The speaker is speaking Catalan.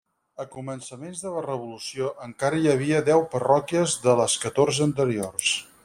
A començaments de la Revolució encara hi havia deu parròquies de les catorze anteriors.